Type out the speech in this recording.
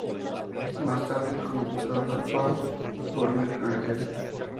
Más tarde, comenzó a trabajar para Burning Ángel.